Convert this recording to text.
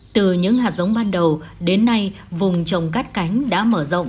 từ những hạt giống ban đầu đến nay vùng trồng cắt cánh đã mở rộng